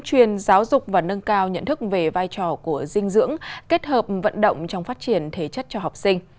chuyên giáo dục và nâng cao nhận thức về vai trò của dinh dưỡng kết hợp vận động trong phát triển thể chất cho học sinh